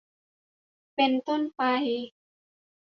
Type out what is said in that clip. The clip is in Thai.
เป็นต้นไป